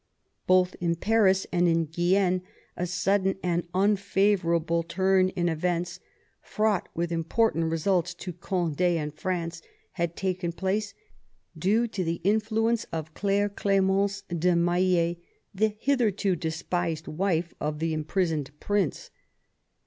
Both in Paris and in Guienne a sudden and unfavourable turn in events, "fraught with important results to Cond^ and France," had taken place, due to the influence of Claire Clemence de Maill^, the hitherto despised wife of the imprisoned prince.